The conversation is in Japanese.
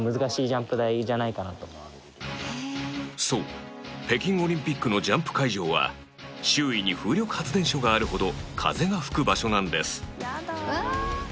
そう、北京オリンピックのジャンプ会場は周囲に風力発電所があるほど風が吹く場所なんです